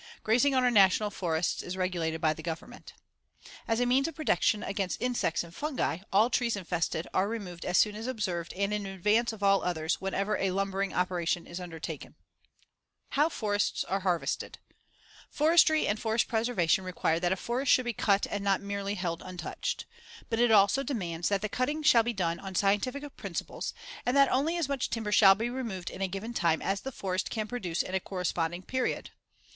Grazing on our National Forests is regulated by the Government. As a means of protection against insects and fungi, all trees infested are removed as soon as observed and in advance of all others, whenever a lumbering operation is undertaken. [Illustration: FIG. 135. A Typical Montana Sawmill.] How forests are harvested: Forestry and forest preservation require that a forest should be cut and not merely held untouched. But it also demands that the cutting shall be done on scientific principles, and that only as much timber shall be removed in a given time as the forest can produce in a corresponding period.